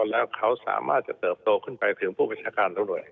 แล้วเขาสามารถจะเติบโตขึ้นไปถึงผู้พิชาการทั้งหน่วย